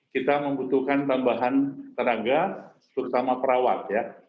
kita membutuhkan tambahan tenaga terutama perawat ya